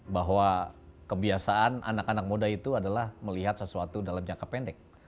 bahwa kebiasaan anak anak muda itu adalah melihat sesuatu dalam jangka pendek